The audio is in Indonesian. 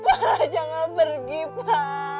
bapak jangan pergi pak